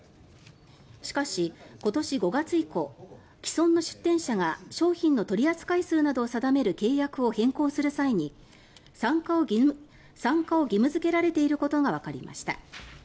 しかし、今年５月以降既存の出店者が商品の取り扱い数などを定める契約を変更する際に参加を義務付けられていることがわかりました。